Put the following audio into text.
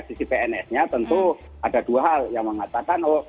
sisi pns nya tentu ada dua hal yang mengatakan